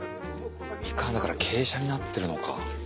みかんだから傾斜になってるのか。